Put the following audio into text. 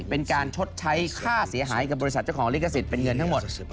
เป็นการชดใช้ค่าเสียหายกับบริษัทเจ้าของลิขสิทธิ์เป็นเงินทั้งหมด